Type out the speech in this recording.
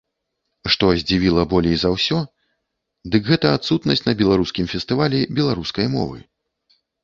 Што здзівіла болей за ўсё, дык гэта адсутнасць на беларускім фестывалі беларускай мовы.